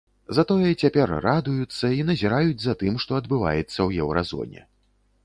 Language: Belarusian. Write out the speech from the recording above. Затое цяпер радуюцца, і назіраюць за тым, што адбываецца ў еўразоне.